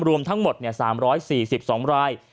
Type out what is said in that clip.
รวมทั้งหมด๓๔๒ราย